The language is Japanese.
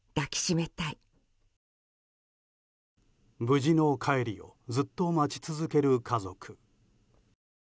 無事の帰りをずっと待ち続ける家族。